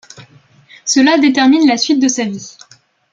Cela détermine la suite de sa vie.